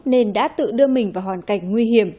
nên đã tự đưa mình vào hoàn cảnh nguy hiểm